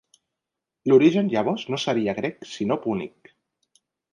L'origen llavors no seria grec sinó púnic.